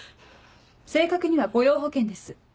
正確には雇用保険です。